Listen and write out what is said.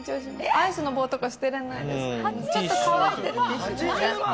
アイスの棒とか捨てられない。